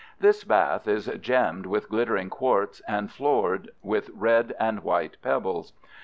This bath is gemmed with glittering quartz and floored with red and white pebbles.